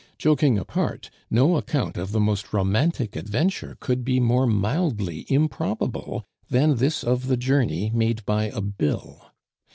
Joking apart, no account of the most romantic adventure could be more mildly improbable than this of the journey made by a bill.